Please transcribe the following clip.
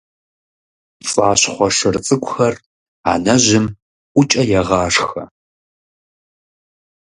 ПцӀащхъуэ шыр цӀыкӀухэр анэжьым ӀукӀэ егъашхэ.